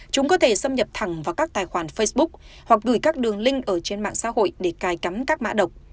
chúng có thể xâm nhập thẳng vào các tài khoản facebook hoặc gửi các đường link ở trên mạng xã hội để cài cắm các mã độc